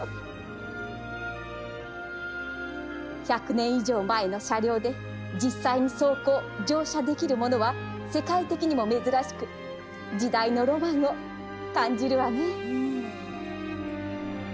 １００年以上前の車両で実際に走行乗車できるものは世界的にも珍しく時代のロマンを感じるわね。